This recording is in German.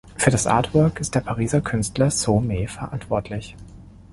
Für das Artwork ist der Pariser Künstler So-Me verantwortlich.